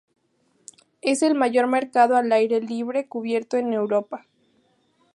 Es el mayor mercado al aire libre cubierto en Europa.